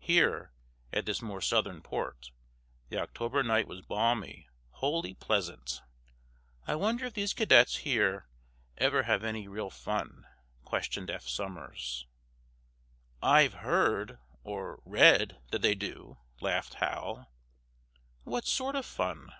Here, at this more southern port, the October night was balmy, wholly pleasant. "I wonder if these cadets here ever have any real fun?" questioned Eph Somers. "I've heard—or read—that they do," laughed Hal. "What sort of fun?"